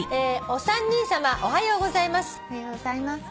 「お三人さまおはようございます」